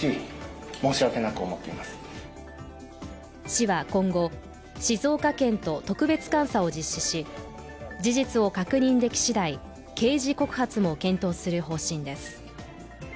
市は今後、静岡県と特別監査を実施し、事実を確認できしだい刑事告発も検討する方針です。